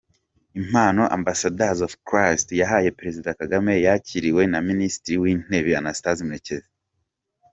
Impano Ambassadors of Christ yahaye Perezida Kagame yakiriwe na Minisitiri w'intebe Anastase Murekezi.